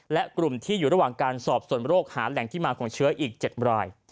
และกลุ่มที่อยู่ระหว่างการสอบส่วนโรคหาแหล่งที่มาของเชื้ออีก๗ราย